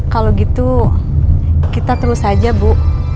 kalau gitu kita terus saja bu